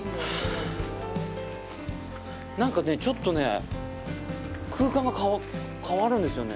なんかね、ちょっとね、空間が変わるんですよね。